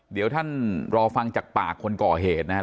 เดี๋ยวท่านรอฟังจากปากคนก่อเหตุนะฮะ